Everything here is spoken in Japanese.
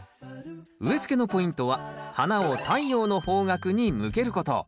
植えつけのポイントは花を太陽の方角に向けること。